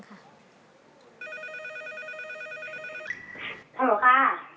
ฮัลโหลค่ะ